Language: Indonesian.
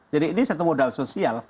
jadi ini satu modal sosial